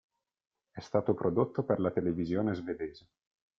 È stato prodotto per la televisione svedese.